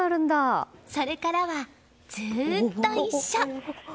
それからはずっと一緒！